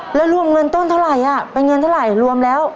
แล้วรวมเงินต้นเท่าไหร่เป็นเงินเท่าไหร่รวมแล้ว